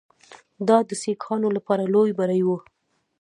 دا د سیکهانو لپاره لوی بری وو.